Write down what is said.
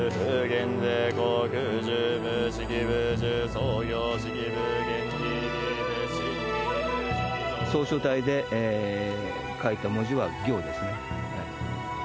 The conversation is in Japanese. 草書体で書いた文字は、行ですね。